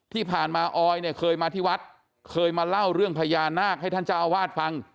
ที่ผ่านมาออยเนี่ยเคยมาที่วัดเคยมาเล่าเรื่องพญานาคให้ท่านเจ้าอาวาสฟัง